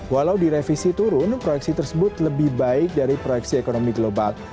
walau direvisi turun proyeksi tersebut lebih baik dari proyeksi ekonomi global